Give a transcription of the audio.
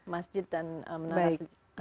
masjid dan menara siger